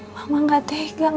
mama gak tegang